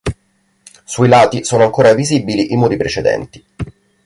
Sui lati sono ancora visibili i muri precedenti.